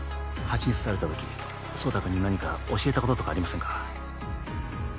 ハチに刺された時壮太君に何か教えたこととかありませんか？